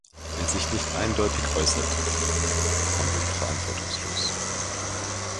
Wer sich nicht eindeutig äußert, handelt verantwortungslos.